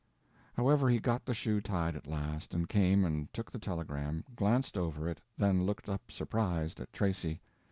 However, he got the shoe tied at last, and came and took the telegram, glanced over it, then looked up surprised, at Tracy.